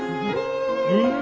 うん。